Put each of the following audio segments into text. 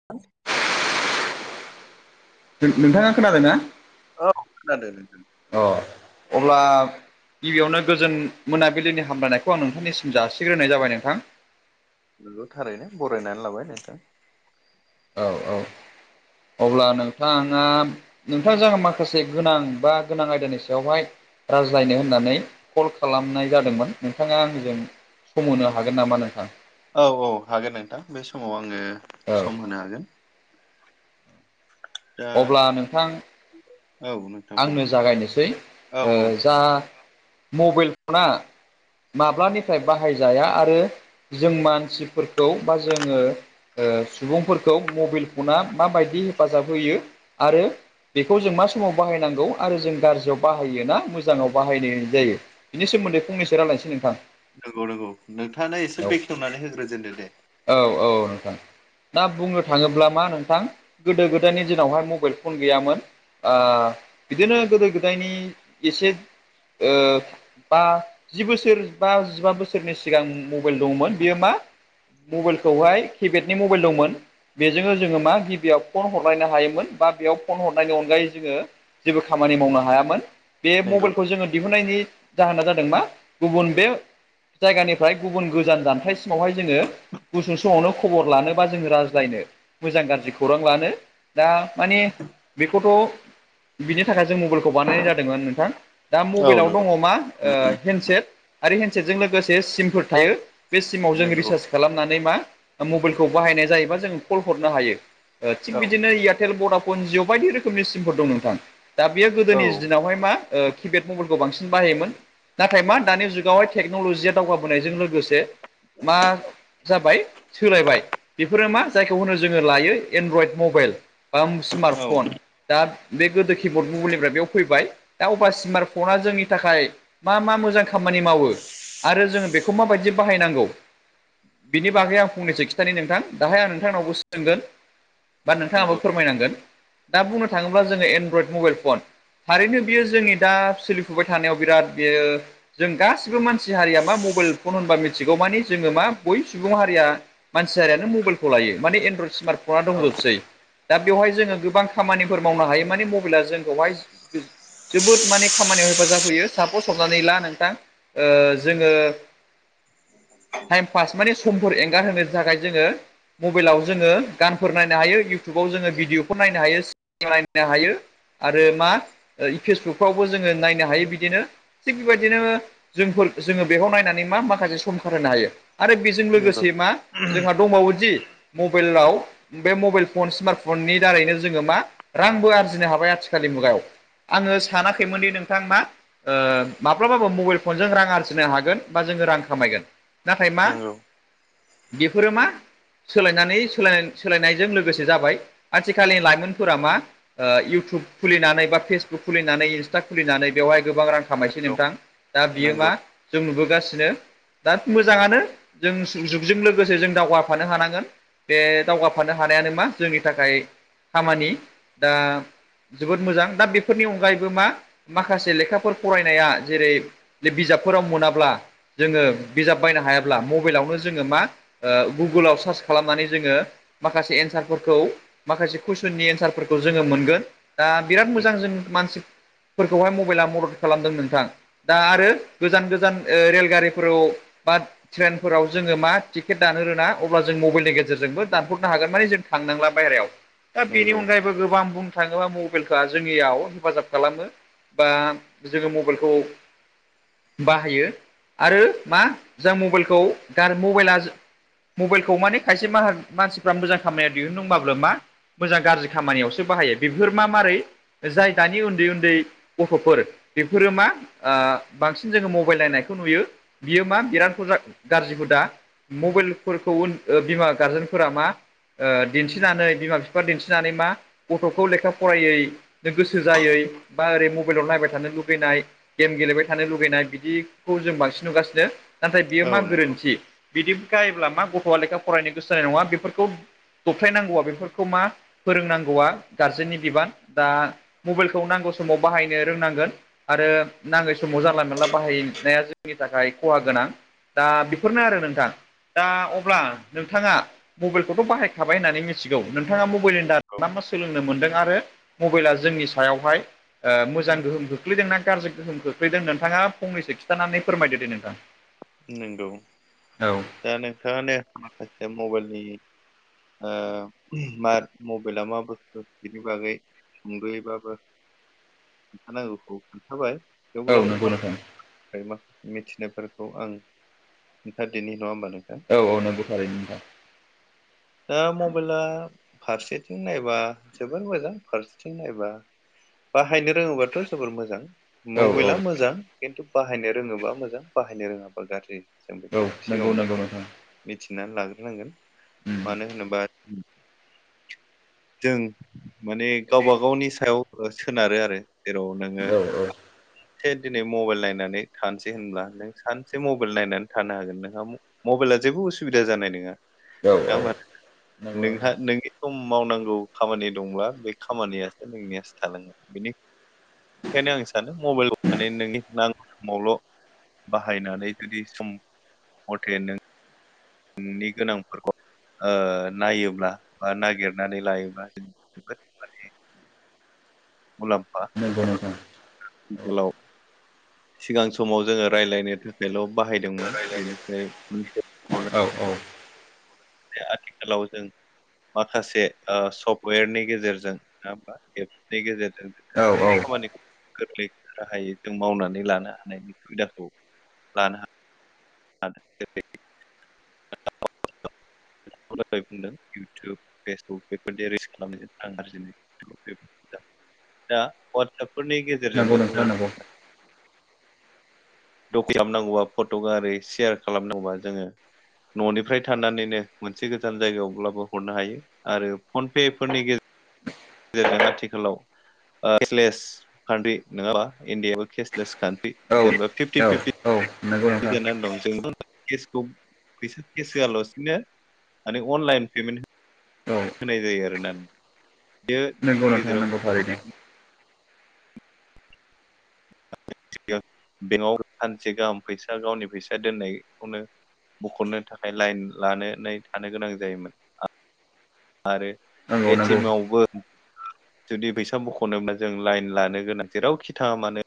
[inaudible] नों नोंथाङा खोनादो ना? औ खोनादों नोंथां अ अब्ला गिबियावनो गोजोन मोनाबिलिनि हामलायनायखौ आं नोंथांनिसिम जासिग्रोनाय जाबाय नोंथां। नंगौ थारैनो बरायनानै लाबाय नोंथां। औ औ अब्ला नोंथाङा नोंथां जोङा माखासे गोनां बा गोनां आयदानि सायावहाय रायज्लायनो होननानै कल खालामनाय जादोंमोन नोंथाङा आंजों सम होनो हागोन नामा नोंथां? औ औ हागोन नोंथां बे समाव आङो औ सम होनो हागोन। दा अब्ला नोंथां। औ नोंथां बुं आंनो जागायनोसै औ ओ औ जा मबेल जुगना माब्लानिफ्राय बाहायजाया आरो जों मानसिफोरखौ बा जोङो ओ सुबुंफोरखौ मबिल फना माबायदि हेफाजाब होयो। आरो बेखौ जों मा समाव बाहायनांगौ आरो जों गाज्रियाव बाहाययोना मोजाङाव बाहायनाय जायो। बिनि सोमोन्दै फंनैसो रायलायनोसै नोंथां। नोंगौ नोंगौ नोंथाङानो एसे औ बेखेवनानै होग्रोजेनदो दे। औ औ नोंथां दा बुंनो थाङोब्ला मा नोंथां गोदो गोदायनि दिनावहाय मबेल फन गैयामोन ओ बिदिनो गोदो गोदायनि इसे ओ। बा जि बोसोर बा जिबा बोसोरनि सिगां मबेल दंमोन बेयो मा? मबेलखौहाय किपेडनि मबेल दंमोन बेजोंनो जोङो मा गिबियाव फन हर लायनो हायोमोन बा बेयाव फन हरनायनि अनगायै जोङो जेबो खामानि मावनो हायामोन। बे नंगौ मबेलखौ जोङो दिहुननायनि जाहोना जादों मा गुबुन बे जायगानिफ्राय गुबुन गोजान जानथायसिमावहाय जोङो गुसुं समावनो खबर लानो बा जोङो रायज्लायनो मोजां गाज्रि खौरां लानो दा माने बेखौथ' बिनि थाखाय जों मबेलखौ बानायनाय जादोंमोन नोंथां। दा औ मबेलाव दङ नंगौ मा ओ हेन्दसेट आरो हेन्दसेटजों लोगोसे सिमफोर थायो बे सिमाव जों नंगौ रिसार्ज खालामनानै मा मबेलखौ बाहायनाय जायोबा जोङो कल हरनो हायो ओ थि औ बिदिनो नंगौ एयारटेल भडाफन जिअ' बायदि रोखोमनि सिमफोर दं नोंथां। दा बेयो औ गोदोनि दिनावहाय मा ओ किपेड मबेलखौ बांसिन बाहायोमोन। नाथाय मा दानि जुगावहाय टेक्न'ल'जिया दावगाबोनायजों लोगोसे मा जाबाय सोलायबाय बेफोरो मा जायखौ होनो जोङो लायो एनड्रइड मबाइल बा औ स्मार्टफन दा बे गोदो किबड मुुबलनिफ्राय बेयाव फैबाय दा अब्ला स्मार्टफना जोंनि थाखाय मा मा मोजां खामानि मावो आरो जोङो बेखौ माबायदि बाहायनांगौ बिनि बागै आं फंनैसो खिथानो नोंथां दाहाय आं नोंथांनावबो सोंगोन। बा नोंथाङाबो नंगौ फोरमायनांगोन दा बुंनो थाङोब्ला जोङो एनड्रइड मबाइल फन। थारैनो बियो जोंनि दा सोलिफुबाय थानायाव बिराद बियो जों गासिबो मानसि हारिया मा मबाइल फन होनबा मिथिगौ मानि जोङो मा बै सुबुं हारिया मानसि हारियानो मबाइलखौ लायो माने एनरयइड् सिमार्टफना औ दंजोबो सै दा बेवहाय जोङो गोबां खामानिफोर मावनो हायो माने मबाइला जोंखौहाय जोबोद माने खामानियाव हेफाजाब होयो साफस हमनानै ला नोंथां ओ जोङो टाइम पास माने समफोर एंगार होनो थाखाय जोङो मबाइलाव जोङो गानफोर नाय नो हायो इउटुबाव जोङो भिडिअफोर नायनो हायो सिनेमा नायनो हायो। आरो मा फेसबुकफ्रावबो नायनो हायो बिदिनो। थिग बेबायदिनो जोंफोर जोङो बेखौ नायनानै मा माखासे सम खारहोनो हायो। आरो बेजों नंगौ लोगोसे मा जोंहा दंबावोदि मबाइलाव बे मबाइल फन स्मार्ट फननि दारैनो जोङो मा रांबो आरजिनो हाबाय आथिखालनि मुगायाव। आङो सानाखैमोनदि नोंथां मा ओ माब्लाबाबो मबाइल फनजों रां आरजिनो हागोन बा जोङो रां खामायगोन। नाथाय मा नंगौ बेफोरो मा सोलायनानै सोलाय सोलायनायजों लोगोसे जाबाय आथिखालनि लाइमोनफोरा मा इउटुब खुलिनानै बा फेसबुक खुलिनानै इन्स्टा खुलिनानै बेवहाय गोबां रां खामायसै नंगौ दा बियो नंगौ मा जों नुबोगासिनो। दा मोजाङानो जों जुगजों लोगोसे जों दावगाफानो हानांगोन बे दावगाफानो हानायानो मा जोंनि थाखाय खामानि दा जोबोद मोजां दा बेफोरनि अनगायैबो मा माखासे लेखाफोर फरायनाया जेरै बिजाबफोराव मोनाब्ला जोङो बिजाब बायनो हायाब्ला मबाइलावनो जोङो मा गुगोलाव सार्च खालामनानै जोङो माखासे एन्सारफोरखौ माखासे कुइसननि एन्सारफोरखौ जोङो मोनगोन‌। दा बिराद मोजां जों मानसिफोरखौहाय मबाइला मदद खालामदों नोंथां। दा आरो गोजान गोजान रेलगारिफोराव बा ट्रेनफोराव जोङो मा टिकेट दानो रोा अब्ला जों मबाइलनि गेजेरजोंबो दाननो हागोन जों थांनां बा बेनि नंगौ अनायैबो गोबां बुंनो थाङोबा मबाइलखौ जोंनियाव हेफाजाब खालामो। बा जोङो मबाइलखौ बाहायो आरो मा जा मबाइलखौ गार मबाइला मबाइलखौ माने खायसे म मानसिफ्रा मोजां खामानिया दिहुनदोंबो मा मोजां गाज्रि खामानियावसो बाहायो बेफोर मा मारै जाय दानि उन्दै उन्दै। गथ'फोर बेफोरो मा ओ बांसिन जोङो मबाइल नायनायखौ नुयो। बियो मा बिरादा बेराथ गाज्रि हुदा मबाइलफोरखौ उ बिमा गारजेन। फोर मा दिन्थिनानै बिमा बिफा दिन्थिनानै मा गथ'खौ लेखा फरायै गोसो जायै बा ओरै मबाइलाव नायबाय थानो लुबैनाय गेम गेलेबाय थानो लुुबैनाय बिदिखौ जों बांसिन नुगासिनो नाथाय बियो औ मा गोरोन्थि बिदि गायोब्ला मा गथ'आ लेखा फरायनो गोसो जानाय नङा बेफोरखौ दबथायनांगौआ बेफोरखौ मा फोरोंनांगौआ गारजेननि बिबान दा। मबाइलखौ नांगौ समाव बाहायनो रोंनांगोन। आरो नाङै समाव जानला मोनला बाहायनाया जोंनि थाखाय खहा गोनां। दा बेफोरनो आरो नोंथां दा अब्ला नोंथाङा मबाइलखौथ' बाहायखाबाय होननानै मिथिगौ नोंथाङा मबाइलनि नंगौ दा मा सोलोंनो मोन्दों आरो मबाइला जोंनि सायावहाय मोजां गोहोम खोख्लैदोंना गाज्रि गोहोम खोख्लैदों नोंथाङा फंनैसो खिन्थानानै फोरमायदो दे नोंथां। नंगौ औ दा नोंथाङानो माखासे मबाइलनि मा मबाइला मा बुस्थु बिनि बागै सुंदयैबाबो खोनथानांगौखौ खोनथाबाय औ थेवब्लाबो नंगौ मा नोंथां मा मिथिनायफोर खौ आं खोनथादिनि नङा होमबा नोंथां? औ औ नोंगौ थारैनो नोंथां। दा मबाइला फारसेथिं नायबा जोबोर मोजां फारसेथिं नायबा बाहायनो रोङोबाथ' जोबोर मोजां। औ औ मबाइला मोजां खिन्थु बाहायनो रोङोबा मोजां बाहायनो रोङाबा गाज्रि। औ नंगौ नंगौ नोंथां। मिथिना लाग्रोनांगोन उम मानो होनोबा जों माने गावबा गावनि सायाव सोनारो आरो। जेराव नोङो औ औ एसे दिनै मबाइल नायनानै थानोसै होनब्ला नों सानसे मबाइल नायनानै थानो हागोन नोंहा मबाइला जेबो उसुबिदा जानाय नङा। औ [inaudible] औ हामाथो नंगौ नोंहा नोंथां नोंनि सम मावनांगौ खामानि दंब्ला बे खामानियासो नोंनियासो थालांगोन बेनिखायनो बेंखायनो आं सानो मबाइलखौ नोंनि नांगौ समावल' बाहायनानै जुदि सम मथे नों नि गोनांफोरखौ ओ नायोब्ला बा नागिरनानै लायोब्ला जोबोद माने मुलाम्फा नंगौ नोंथां। औ गोलाव सिगां समाव जोङो रायज्लायनो थाखायल' बाहायदोंमोन बेनिफ्रायनो औ औ बे आथिखालाव जों माखासे सफ्टवेरनि गेजेरजों नङाबा एपनि गेजेरजों औ गासै औ खामानिखौ गोरलै राहायै जों मावनानै लानो हानायनि सुबिदाखौ लानो आरो बेबादि बुंदों इउटुब फेसबुक बेफोरदि रिस्स खालामनाय जादों आं ? आरोखि दा ववाट्सपफोरनि गेजेरजोंबो नोंथां जोङो मा नंगौ दाना खालामनांगौबा फट' गफोरखौ सेयार खालामनांगौबा जोङो न'निफ्राय थानानैनो मोनसे गोजान जायगायावब्लाबो हरनो हायो। आरो फनपे फोरनि गेजेराव गेजेरजों आथिखालाव केसलेस कान्ट्रि नङाबा इण्डियाबो केसलेस कान्ट्रि औ जेनबा पिबटि औ पिबटि औ नंगौ नों बि जानानै दं जोंबो केसखौ फैसा केस होआलासिनो माने अनलाइन पेमेन्ट औ होनाय जायो आरो ना बेयो नंगौ जोंनि नोंथां गेजेराव नंगौ थारैनो खुब बेंकआव सानसे गाहाम फैसा गावनि फैसा दोननायखौनो बख'नो थाखाय लाइन लानानै थानो गोनां जायोमोन। आरो नंगौ नंगौ एटिम आवबो जुदि फैसा बखनायाव'नो जों लाइन लानो गोनां जेरावखि थाङा मानो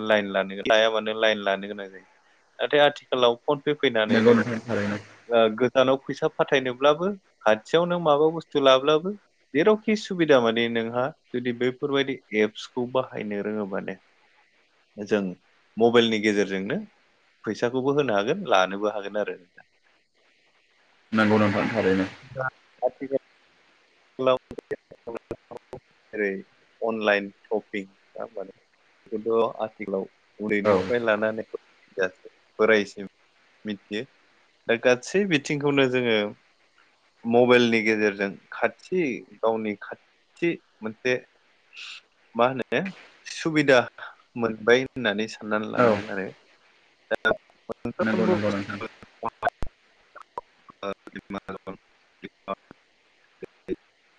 लाइन लानो लायाबानो लाइन लानो गोनां जायो नाथाय आथिखालाव फनपे फैनानै नंगौ नों नोंथां थारैनो ओ गोजानाव फैसा फाथायनोब्लाबो खाथियावनो माबा बुस्थु लाब्लाबो जेरावखि सुबिदा माने नोंहा जुदि बेफोरबायदि एप्सखौ बाहायनो रोङोबानोे जों मबाइलनि गेजेरजोंनो फैसाखौबो होनो हागोन लानोबो हागोन आरो नांगौ नंथां थारैनो स [unintelligible] हेलौ जेरै अनलाइन सपिं नंआहोनबा बेथ' आथिखालाव औ उन्दैनिफ्राय लानानै फ बोरायसिम मिथियो दा गासै बिथिंखौनो जोङो मबाइलनि गेजेरजों खाथि गावनि खाथि मोनसे स् मा होनो सुबिदा मोनबाय होननानै साननानै औ लानांगोन आरो दा नंगौ मोनफ्रोमबो नंगौ [unintelligible] नोंथां मोनफ्रोमबो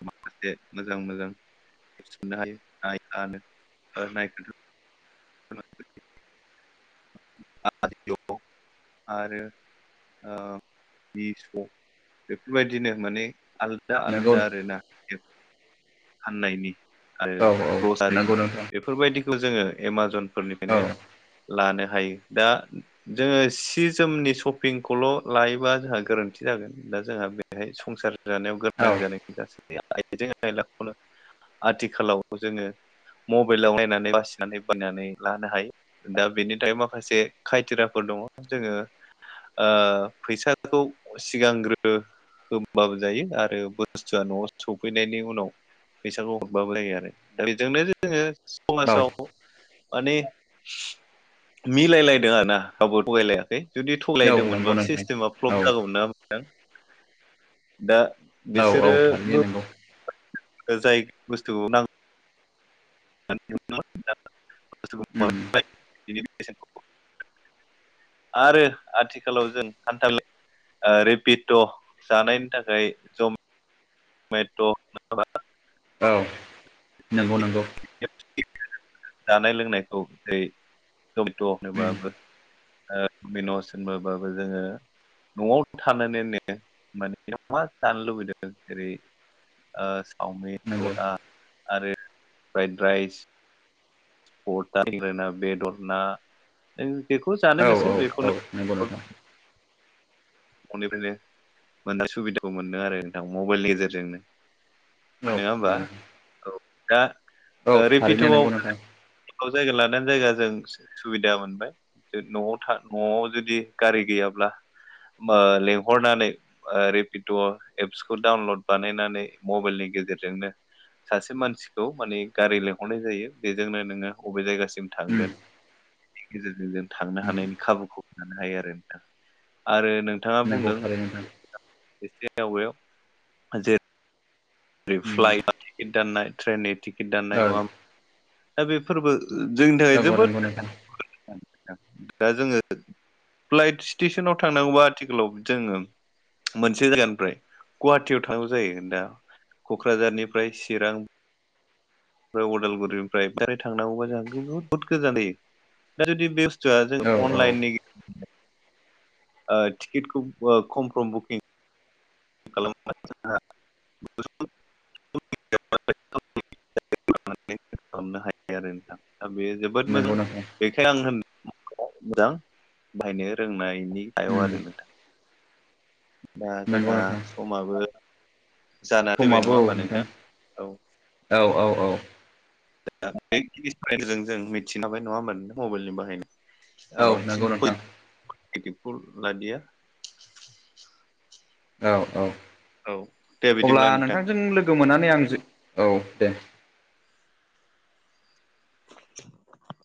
माखासे मोजां मोजां सनो हायो नो नायथ [unintelligible] [inaudible] आरो ओ बिस बेफोरबायदिनो माने आलदा दा नंगौ आलदा आरोना बेफो हामनाइनि आरो औ औ ग्रसारि नंगौ नोंथां बेफोरबायदिखौ जोङो औ एमाजनफोरनिफ्रायनो लानो हायो। दा जोङो सि जोमनि सपिंखौल' लायोबा जोंहा गोरोन्थि जागोन। दा जोंहा बेहाय संसार जानायाव गोरोनां औ जानायनि गासै आइजें आयलाखौनो- आथिखालावबो जोङो मबाइलाव नायनानै बासिनानै बायनानै लानो हायो दा बेनि थाखाय माखासे माखासे काइटेरियाफोर दङ जोङो ओ फैसाखौ सिगांग्रो होमबाबो जायो आरो बुस्थुआ न'आव सफैनायनि उनाव फैसाखौ हरबाबो जायो आरो दा बेजोंनो जोङो औ समाजाव माने मिलायलायदों आ ना रावबो थगाय लायाखै जुदि थगायलाय औ दोंमोनबा नंगौ नोंथां सिस्टेमा औ फ्लप जागौमोन ना ओं दा औ औ थारैनो बिसोरोबो नंगौ जाय बुस्थुआ ना [inaudible] उम [inaudible] आरो आथिखालाव जों खान्थाल ओ रिपिट' जानायनि थाखाय ज मेट' माबा औ नंगौ नंगौ जानाय लोंनायखौ जेरै जमेट' उम होनोबाबो ओ बिन'सिनबाबो जोङो न'आव थानानैनो माने मा जानो लुबैदों जेरै ओ सावमिन नंगौ लथा आरो फ्राइड राइस अरदार होना बेदर ना नों बेखौ जानो औ गोसो औ औ बेखौनो नंगौ नोंथां न'निफ्रायनो मोनोना सुबिदाखौ मोनदों आरो नोंथां मबाइलनि गेजेरजोंनो औ नङा होमबा नंगौ। औ दा औ ओ थारैनो रिपिट'आव नंगौ नोंथां जायगा लाना जायगा जों सुबिदा मोनबाय न'आव था न'आव जुदि गारि गैयाब्ला होमबा लिंहरनानै ओ रेपिट' एप्सखौ डाउनलड बानायनानै मबाइलनि गेजेरजोंनो सासे मानसिखौ माने गारि लिंहरनाय जायो बेजोंनो नोङो बबे जायगासिम था उम गेजेरजों जों थांनो उम हानायनि खाबुखौ मोननो हायो आरो नोंथां आरो नोथाङा नंगौ बुंदों थारैनो नोंथां एसे आवगायाव जे ओरै उम फ्लाइट टिकेट दाननाय ट्रेननि टिकेट दाननाय औ नङा दा बेफोरबो जोंनि थाखाय नंगौ जोबोद नंगौ नोंथां [unintelligible] दा जोङो फ्लाइट स्टेसनाव थांनांगौबा आथिखालावबो जोङो मोनसे जायगानिफ्राय गुवाटियाव थांनांगौ जायो दा क'क्राझारनिफ्राय चिरां ओमफाय उदालगुरिनिफ्राय डायरेक्ट थांनांगौबा जोंहा बहुत बहुत गोजान जायो दा जुदि बे जोंहा औ ओ औ अनलाइननि गेजेरजों ओ टिकेटखौ कमफर्म बुकिं खालामबाय [unintelligible] खालामनो हायो आरो नोंथां दा बे जोबोद मोजां नंगौ नोंथां बेखि बेखायनो आं होनदों मोजां बाहायनो रोंनायनि सायाव उम आरो नोंथां। [inaudible] दा नंगौ जोंहा नोंथां समाबो जाना फैबाय समाबो नङा औ होमबा नोंथां औ। औ औ औ। दा बे जिनिस बाहाय जों मिथिनो हाबाय नङा होमबा नोंथां मबाइलनि औ बाहायनाय नंगौ बांसिन नोंथां फुइड लादिया [unintelligible] बियो औ औ औ दे अब्ला बिदिब्ला नोंथां नोंथांजों लोगो मोननानै आं औ दे। [inaudible]